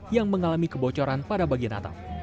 yang mengalami kebocoran pada bagian atap